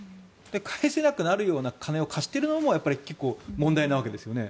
返せなくなるような金を貸しているのも問題なわけですよね。